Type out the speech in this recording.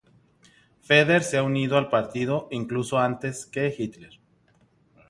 Feder se había unido al partido incluso antes que Hitler.